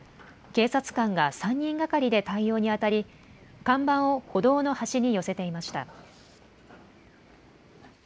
警察官が３人がかりで対応に当たり、看板を歩道の端に寄せていました。